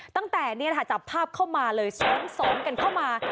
ตั้งแต่เนี้ยฮะจับภาพเข้ามาเลยซ้อมซ้อมกันเข้ามา